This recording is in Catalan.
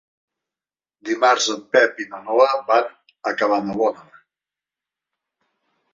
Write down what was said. Dimarts en Pep i na Noa van a Cabanabona.